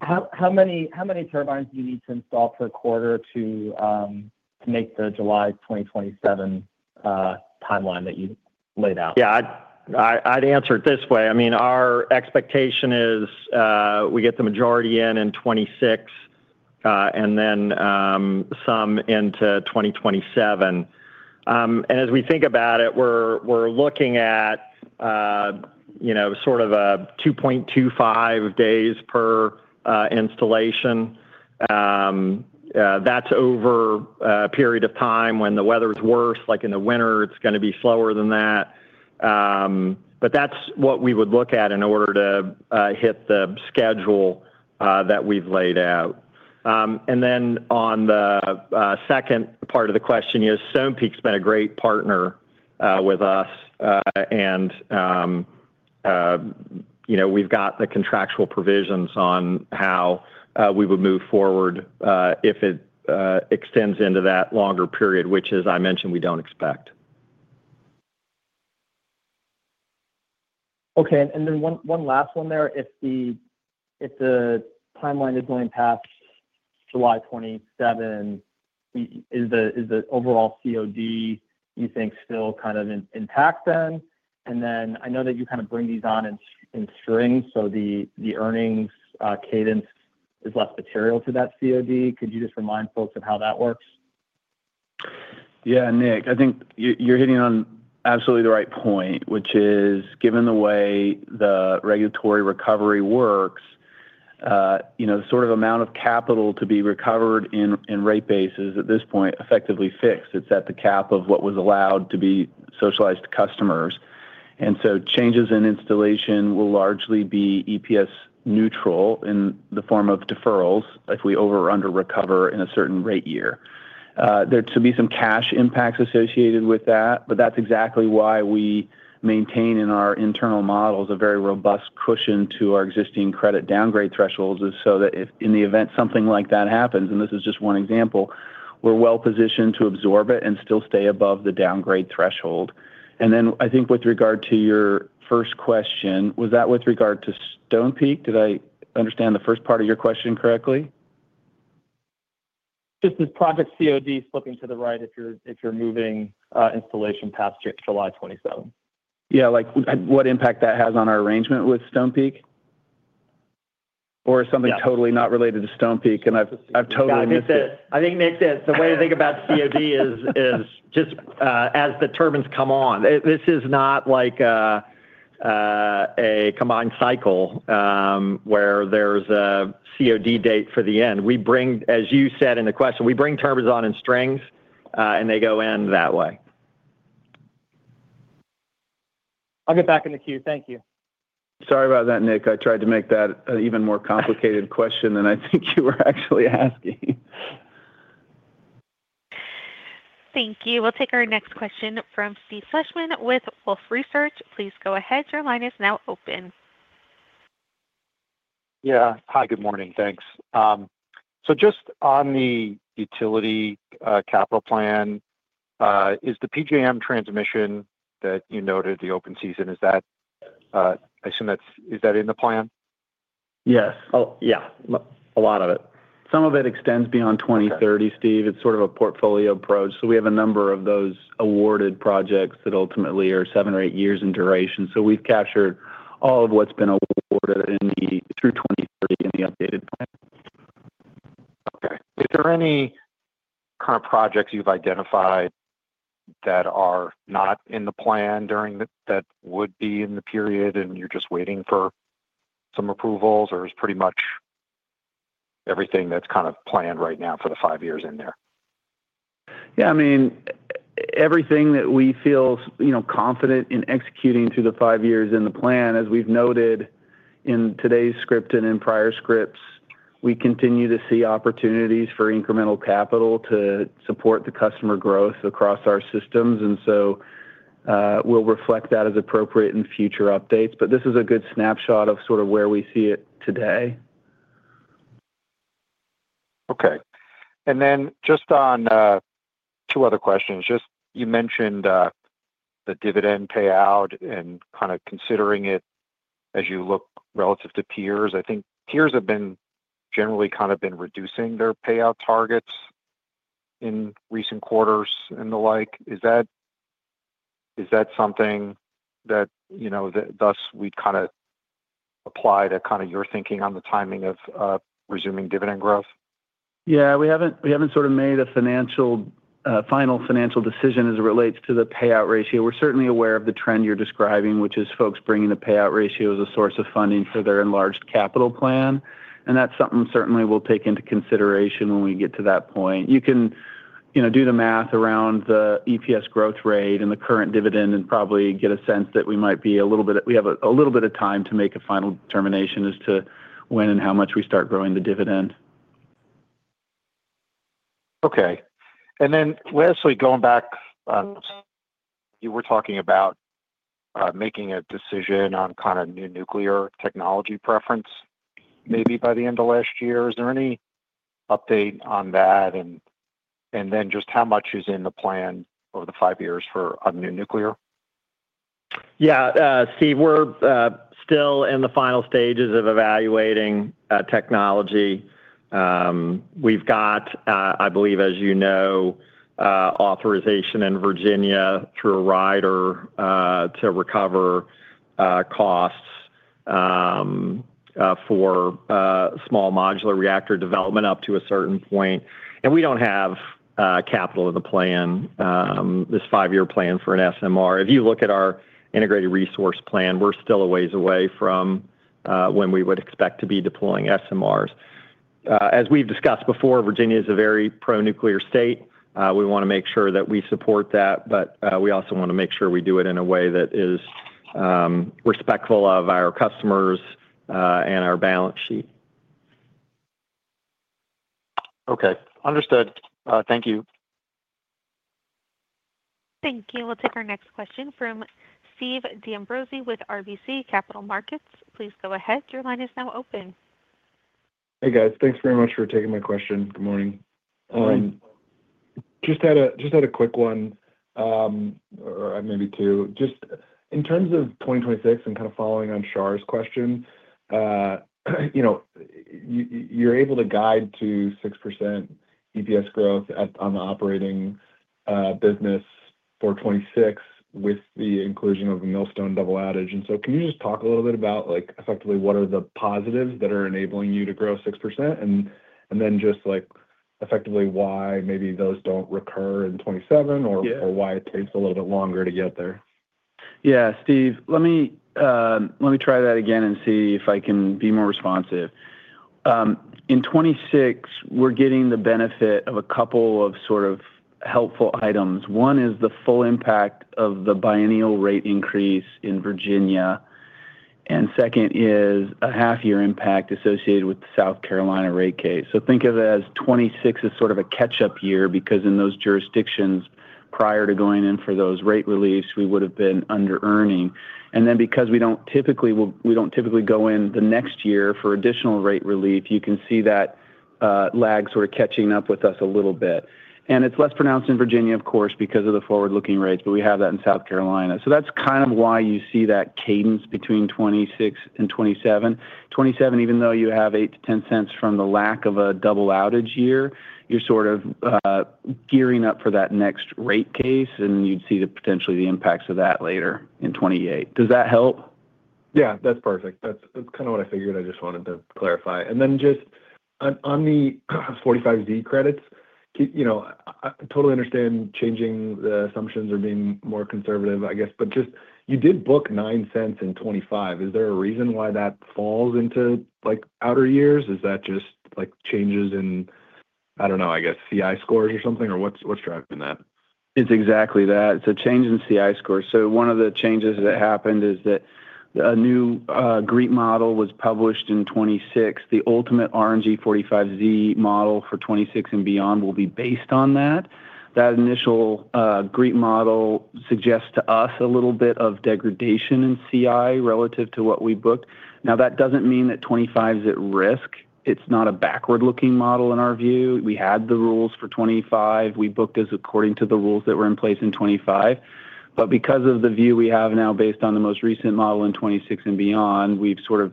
How, how many, how many turbines do you need to install per quarter to to make the July 2027 timeline that you laid out? Yeah, I'd, I, I'd answer it this way: I mean, our expectation is, we get the majority in 2026, and then, some into 2027. As we think about it, we're, we're looking at, you know, sort of a 2.25 days per installation. That's over a period of time when the weather is worse. Like, in the winter, it's gonna be slower than that. That's what we would look at in order to hit the schedule that we've laid out. Then on the second part of the question, yeah, Stonepeak's been a great partner with us. You know, we've got the contractual provisions on how we would move forward, if it extends into that longer period, which, as I mentioned, we don't expect. Okay. One, one last one there. If the timeline is going past July 27, is the overall COD, you think, still kind of intact then? I know that you kind of bring these on in strings, so the earnings cadence is less material to that COD. Could you just remind folks of how that works? Yeah, Nick, I think you're, you're hitting on absolutely the right point, which is, given the way the regulatory recovery works, you know, the sort of amount of capital to be recovered in, in rate base is, at this point, effectively fixed. It's at the cap of what was allowed to be socialized to customers. Changes in installation will largely be EPS neutral in the form of deferrals if we over or under recover in a certain rate year. There to be some cash impacts associated with that, but that's exactly why we maintain in our internal models a very robust cushion to our existing credit downgrade thresholds, is so that if in the event something like that happens, and this is just 1 example, we're well positioned to absorb it and still stay above the downgrade threshold. I think with regard to your first question, was that with regard to Stonepeak? Did I understand the first part of your question correctly? Just the project COD slipping to the right if you're, if you're moving installation past July 27. Yeah, like, what impact that has on our arrangement with Stonepeak? Or something- Yeah -totally not related to Stonepeak, and I've, I've totally missed it. Yeah, I think that, I think, Nick, the way to think about COD is, is just, as the turbines come on. This is not like a combined cycle, where there's a COD date for the end. We bring, as you said in the question, we bring turbines on in strings, they go in that way. I'll get back in the queue. Thank you. Sorry about that, Nick. I tried to make that an even more complicated question than I think you were actually asking. Thank you. We'll take our next question from Steve Fleishman with Wolfe Research. Please go ahead. Your line is now open. Yeah. Hi, good morning. Thanks. Just on the utility capital plan, is the PJM transmission that you noted, the open season, is that, I assume that's- is that in the plan? Yes. Oh, yeah, a lot of it. Some of it extends beyond 2030, Steve. Okay. It's sort of a portfolio approach. We have a number of those awarded projects that ultimately are 7 or 8 years in duration. We've captured all of what's been awarded in the, through 2030 in the updated plan. Okay. Is there any current projects you've identified that are not in the plan during the-- that would be in the period, and you're just waiting for some approvals, or is pretty much everything that's kind of planned right now for the 5 years in there? Yeah, I mean, everything that we feel, you know, confident in executing through the 5 years in the plan, as we've noted in today's script and in prior scripts, we continue to see opportunities for incremental capital to support the customer growth across our systems. We'll reflect that as appropriate in future updates. This is a good snapshot of sort of where we see it today. Okay. Then just on 2 other questions. Just, you mentioned the dividend payout and kind of considering it as you look relative to peers. I think peers have been generally kind of been reducing their payout targets in recent quarters and the like. Is that, is that something that, you know, that thus we kind of apply to kind of your thinking on the timing of resuming dividend growth? Yeah, we haven't, we haven't sort of made a financial, final financial decision as it relates to the payout ratio. We're certainly aware of the trend you're describing, which is folks bringing the payout ratio as a source of funding for their enlarged capital plan. That's something certainly we'll take into consideration when we get to that point. You can, you know, do the math around the EPS growth rate and the current dividend and probably get a sense that we might be a little bit, we have a, a little bit of time to make a final determination as to when and how much we start growing the dividend. Okay. Lastly, going back on... You were talking about making a decision on kind of new nuclear technology preference maybe by the end of last year. Is there any update on that? Just how much is in the plan over the five years for a new nuclear? Yeah, Steve Fleishman, we're still in the final stages of evaluating technology. We've got, I believe, as you know, authorization in Virginia through a rider to recover costs for small modular reactor development up to a certain point. We don't have capital in the plan, this 5-year plan for an SMR. If you look at our integrated resource plan, we're still a ways away from when we would expect to be deploying SMRs. As we've discussed before, Virginia is a very pro-nuclear state. We want to make sure that we support that, but we also want to make sure we do it in a way that is respectful of our customers and our balance sheet. Okay, understood. Thank you. Thank you. We'll take our next question from Stephen D'Ambrisi with RBC Capital Markets. Please go ahead. Your line is now open. Hey, guys. Thanks very much for taking my question. Good morning. Good morning. Just had a quick one, or maybe two. Just in terms of 2026 and kind of following on Char's question, you know, you're able to guide to 6% EPS growth at, on the operating business for 2026 with the inclusion of the Millstone double outage. Can you just talk a little bit about, like, effectively, what are the positives that are enabling you to grow 6%? And then just, like, effectively, why maybe those don't recur in 2027? Yeah... or why it takes a little bit longer to get there? Yeah, Steve, let me try that again and see if I can be more responsive. In 2026, we're getting the benefit of a couple of sort of helpful items. One is the full impact of the biennial rate increase in Virginia. Second is a half-year impact associated with the South Carolina rate case. Think of it as 2026 as sort of a catch-up year, because in those jurisdictions prior to going in for those rate reliefs, we would have been under-earning. Because we don't typically go in the next year for additional rate relief, you can see that lag sort of catching up with us a little bit. It's less pronounced in Virginia, of course, because of the forward-looking rates, but we have that in South Carolina. That's kind of why you see that cadence between 2026 and 2027. 2027, even though you have $0.08-$0.10 from the lack of a double outage year, you're sort of gearing up for that next rate case, and you'd see the potentially the impacts of that later in 2028. Does that help? Yeah, that's perfect. That's, that's kind of what I figured. I just wanted to clarify. Just on, on the Section 45Z credits, you know, I totally understand changing the assumptions or being more conservative, I guess, but just you did book $0.09 in 2025. Is there a reason why that falls into, like, outer years? Is that just, like, changes in, I don't know, I guess, CI scores or something, or what's, what's driving that? It's exactly that. It's a change in CI score. One of the changes that happened is that a new GREET model was published in 2026. The ultimate RNG 45Z model for 2026 and beyond will be based on that. That initial GREET model suggests to us a little bit of degradation in CI relative to what we booked. Now, that doesn't mean that 2025 is at risk. It's not a backward-looking model in our view. We had the rules for 2025. We booked as according to the rules that were in place in 2025. Because of the view we have now based on the most recent model in 2026 and beyond, we've sort of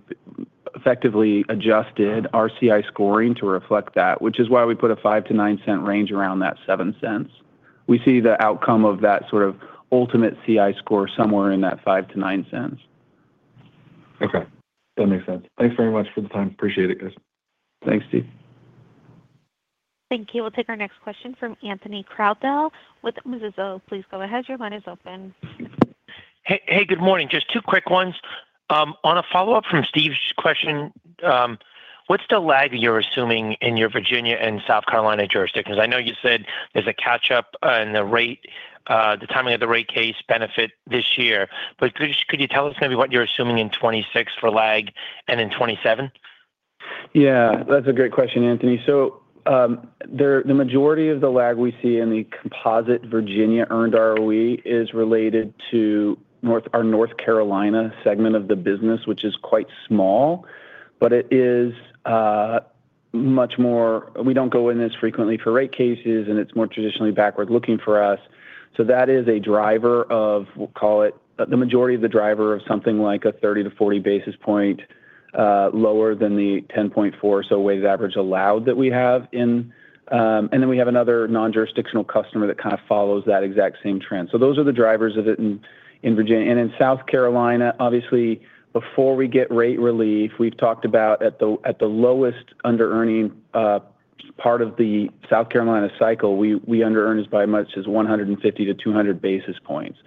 effectively adjusted our CI scoring to reflect that, which is why we put a $0.05-$0.09 range around that $0.07. We see the outcome of that sort of ultimate CI score somewhere in that $0.05-$0.09. Okay. That makes sense. Thanks very much for the time. Appreciate it, guys. Thanks, Steve. Thank you. We'll take our next question from Anthony Crowdell with Mizuho. Please go ahead. Your line is open. Hey, hey, good morning. Just two quick ones. On a follow-up from Steve's question, what's the lag you're assuming in your Virginia and South Carolina jurisdictions? I know you said there's a catch-up on the rate, the timing of the rate case benefit this year, but could you, could you tell us maybe what you're assuming in 2026 for lag and in 2027? Yeah, that's a great question, Anthony. The majority of the lag we see in the composite Virginia earned ROE is related to our North Carolina segment of the business, which is quite small, but it is much more. We don't go in as frequently for rate cases, and it's more traditionally backward-looking for us. That is a driver of, we'll call it, the majority of the driver of something like a 30-40 basis point lower than the 10.4, a weighted average allowed that we have in. Then we have another non-jurisdictional customer that kind of follows that exact same trend. Those are the drivers of it in Virginia. In South Carolina, obviously, before we get rate relief, we've talked about at the, at the lowest under-earning part of the South Carolina cycle, we, we under-earned as by much as 150-200 basis points.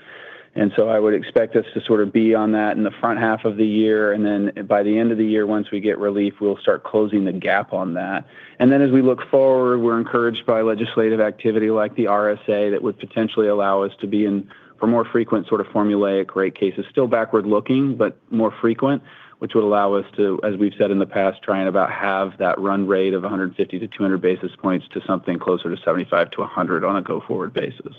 I would expect us to sort of be on that in the front half of the year, and then by the end of the year, once we get relief, we'll start closing the gap on that. As we look forward, we're encouraged by legislative activity like the RSA, that would potentially allow us to be in for more frequent sort of formulaic rate cases. Still backward-looking, but more frequent, which would allow us to, as we've said in the past, try and about half that run rate of 150-200 basis points to something closer to 75-100 on a go-forward basis.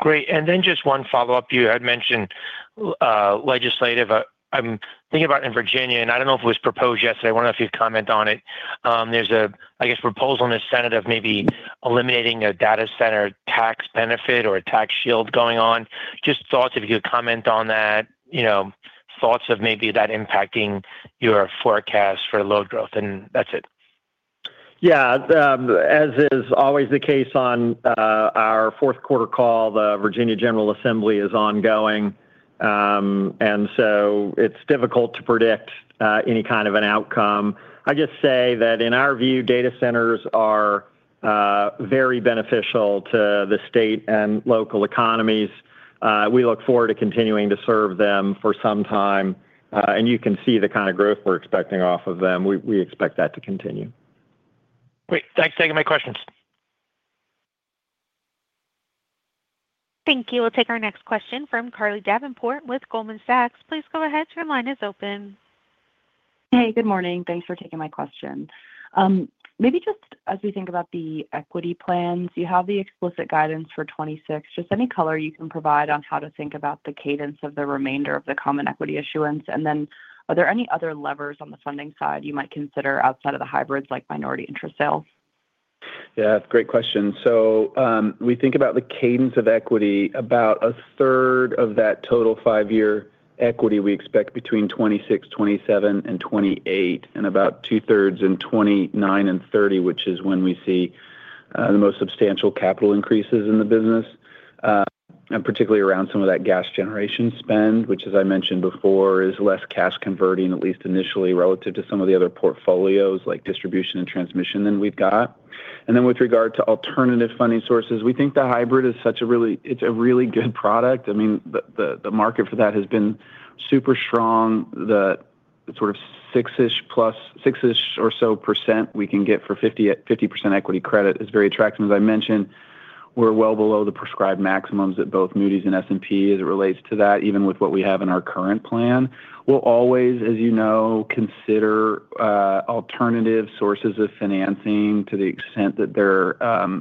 Great. Just 1 follow-up. You had mentioned legislative, I'm thinking about in Virginia, and I don't know if it was proposed yesterday. I wonder if you'd comment on it. There's a, I guess, proposal in the Senate of maybe eliminating a data center tax benefit or a tax shield going on. Just thoughts, if you could comment on that, you know, thoughts of maybe that impacting your forecast for load growth, and that's it. Yeah. As is always the case on our fourth quarter call, the Virginia General Assembly is ongoing, so it's difficult to predict any kind of an outcome. I just say that in our view, data centers are very beneficial to the state and local economies. We look forward to continuing to serve them for some time, you can see the kind of growth we're expecting off of them. We, we expect that to continue. Great. Thanks for taking my questions. Thank you. We'll take our next question from Carly Davenport with Goldman Sachs. Please go ahead. Your line is open. Hey, good morning. Thanks for taking my question. Maybe just as we think about the equity plans, you have the explicit guidance for 2026. Are there any other levers on the funding side you might consider outside of the hybrids, like minority interest sales? Yeah, great question. We think about the cadence of equity, about 1/3 of that total 5-year equity we expect between 2026, 2027, and 2028, and about 2/3 in 2029 and 2030, which is when we see the most substantial capital increases in the business, and particularly around some of that gas generation spend, which, as I mentioned before, is less cash converting, at least initially, relative to some of the other portfolios like distribution and transmission than we've got. With regard to alternative funding sources, we think the hybrid is such a really good product. I mean, the market for that has been super strong. The sort of 6%-ish plus, 6%-ish or so % we can get for 50/50% equity credit is very attractive, as I mentioned. ... We're well below the prescribed maximums at both Moody's and S&P as it relates to that, even with what we have in our current plan. We'll always, as you know, consider alternative sources of financing to the extent that they're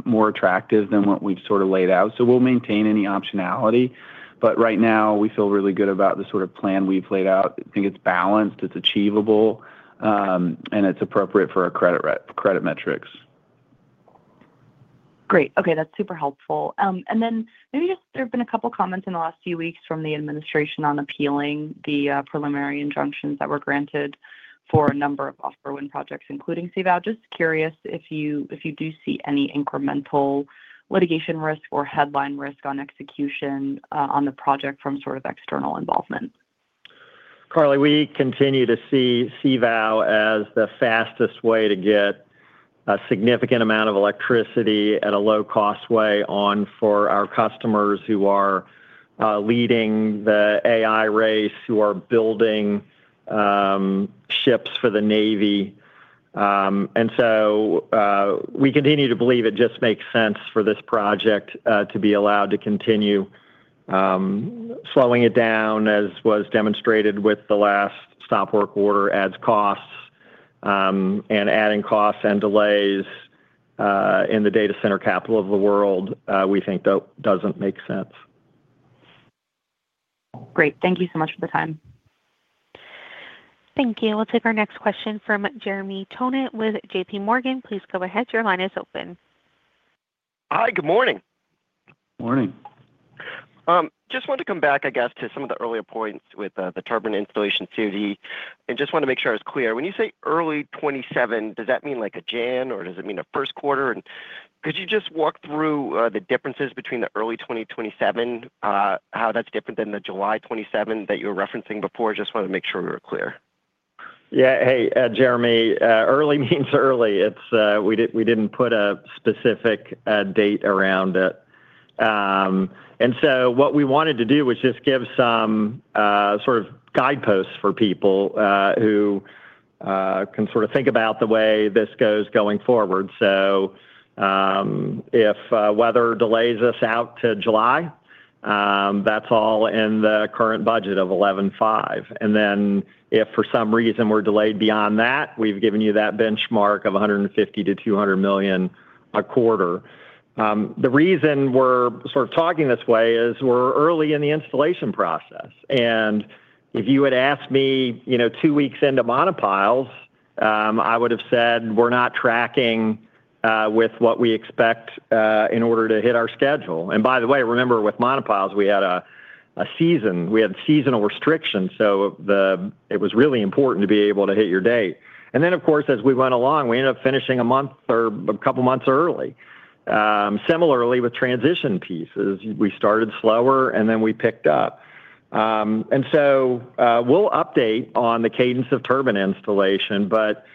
more attractive than what we've sort of laid out. We'll maintain any optionality, but right now, we feel really good about the sort of plan we've laid out. I think it's balanced, it's achievable, and it's appropriate for our credit metrics. Great. Okay, that's super helpful. Maybe just there have been a couple comments in the last few weeks from the administration on appealing the preliminary injunctions that were granted for a number of offshore wind projects, including CVOW. Just curious if you, if you do see any incremental litigation risk or headline risk on execution on the project from external involvement? Carly, we continue to see CVOW as the fastest way to get a significant amount of electricity at a low-cost way on for our customers who are leading the AI race, who are building ships for the Navy. We continue to believe it just makes sense for this project to be allowed to continue. Slowing it down, as was demonstrated with the last stop work order, adds costs, and adding costs and delays in the data center capital of the world, we think that doesn't make sense. Great. Thank you so much for the time. Thank you. We'll take our next question from Jeremy Tonet with J.P. Morgan. Please go ahead. Your line is open. Hi, good morning. Morning. Just wanted to come back, I guess, to some of the earlier points with the turbine installation duty, and just want to make sure I was clear. When you say early 2027, does that mean, like, a January, or does it mean a first quarter? Could you just walk through the differences between the early 2027, how that's different than the July 2027 that you were referencing before? Just wanted to make sure we were clear. Yeah. Hey, Jeremy, early means early. It's, we didn't put a specific date around it. So what we wanted to do was just give some sort of guideposts for people who can sort of think about the way this goes going forward. If weather delays us out to July, that's all in the current budget of $11.5. Then if for some reason we're delayed beyond that, we've given you that benchmark of $150 million-$200 million a quarter. The reason we're sort of talking this way is we're early in the installation process, and if you had asked me, you know, two weeks into monopiles, I would have said, "We're not tracking with what we expect in order to hit our schedule." By the way, remember with monopiles, we had a season, we had seasonal restrictions, so it was really important to be able to hit your date. Then, of course, as we went along, we ended up finishing a month or a couple months early. Similarly, with transition pieces, we started slower, and then we picked up. We'll update on the cadence of turbine installation, but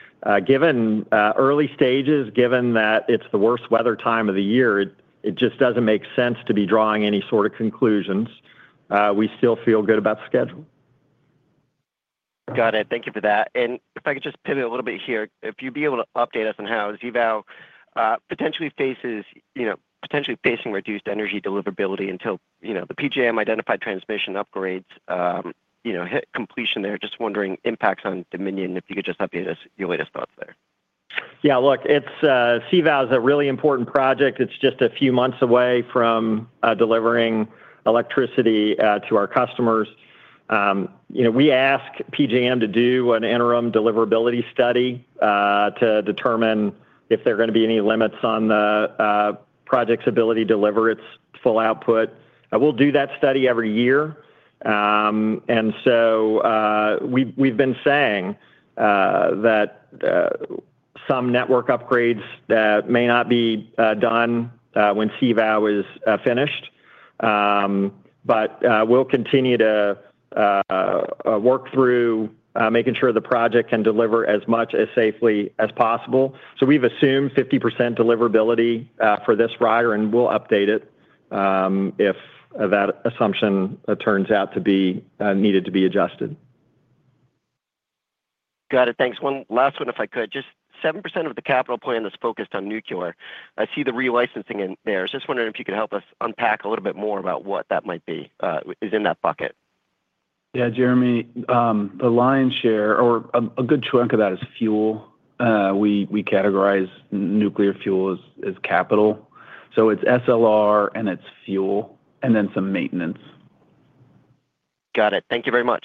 given early stages, given that it's the worst weather time of the year, it just doesn't make sense to be drawing any sort of conclusions. We still feel good about the schedule. Got it. Thank you for that. If I could just pivot a little bit here, if you'd be able to update us on how CVOW potentially faces, you know, potentially facing reduced energy deliverability until, you know, the PJM identified transmission upgrades, you know, hit completion there. Just wondering, impacts on Dominion, if you could just update us, your latest thoughts there. Yeah, look, it's CVOW is a really important project. It's just a few months away from delivering electricity to our customers. You know, we asked PJM to do an interim deliverability study to determine if there are gonna be any limits on the project's ability to deliver its full output. We'll do that study every year. We've, we've been saying that some network upgrades that may not be done when CVOW is finished. We'll continue to work through making sure the project can deliver as much as safely as possible. We've assumed 50% deliverability for this rider, and we'll update it if that assumption turns out to be needed to be adjusted. Got it. Thanks. 1 last one, if I could. Just 7% of the capital plan is focused on nuclear. I see the relicensing in there. Just wondering if you could help us unpack a little bit more about what that might be, is in that bucket. Yeah, Jeremy, the lion's share or a, a good chunk of that is fuel. We categorize nuclear fuel as, as capital. It's SLR and it's fuel, and then some maintenance. Got it. Thank you very much.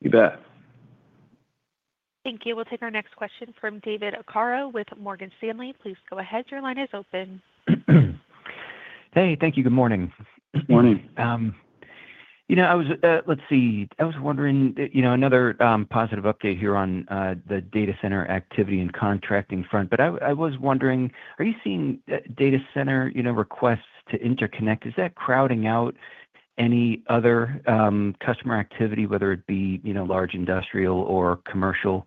You bet. Thank you. We'll take our next question from David Arcaro with Morgan Stanley. Please go ahead. Your line is open. Hey, thank you. Good morning. Good morning. You know, I was, let's see, I was wondering, you know, another positive update here on the data center activity and contracting front. I, I was wondering, are you seeing data center, you know, requests to interconnect? Is that crowding out any other customer activity, whether it be, you know, large industrial or commercial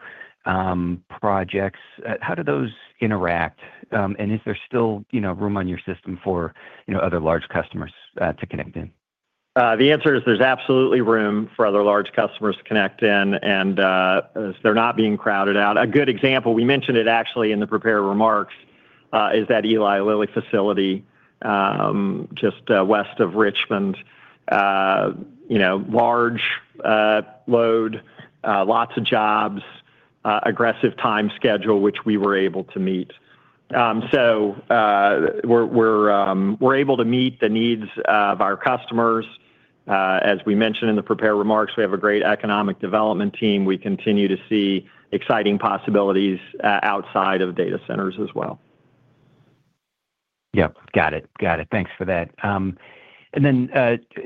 projects? How do those interact? Is there still, you know, room on your system for, you know, other large customers to connect in? The answer is there's absolutely room for other large customers to connect in, and they're not being crowded out. A good example, we mentioned it actually in the prepared remarks, is that Eli Lilly facility, just west of Richmond. You know, large load, lots of jobs, aggressive time schedule, which we were able to meet. We're, we're, we're able to meet the needs of our customers. As we mentioned in the prepared remarks, we have a great economic development team. We continue to see exciting possibilities outside of data centers as well. Yep. Got it. Got it. Thanks for that.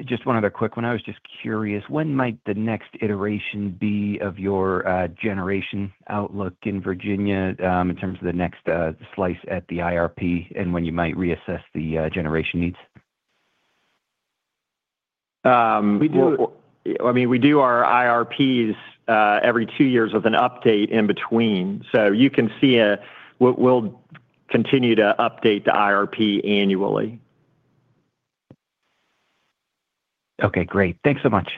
Just one other quick one. I was just curious, when might the next iteration be of your generation outlook in Virginia, in terms of the next slice at the IRP, and when you might reassess the generation needs? Um, we do- W- I mean, we do our IRPs, every two years with an update in between. You can see, we'll continue to update the IRP annually. Okay, great. Thanks so much.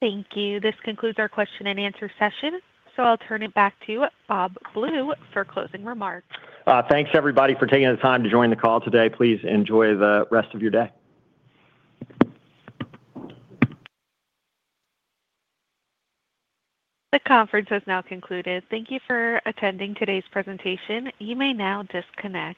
Thank you. This concludes our question and answer session. I'll turn it back to Bob Blue for closing remarks. Thanks, everybody, for taking the time to join the call today. Please enjoy the rest of your day. The conference has now concluded. Thank you for attending today's presentation. You may now disconnect.